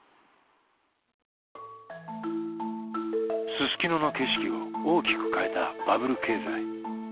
すすきのの景色を大きく変えたバブル経済。